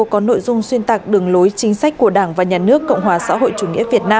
có nội dung xuyên tạc đường lối chính sách của đảng và nhà nước cộng hòa xã hội chủ nghĩa việt nam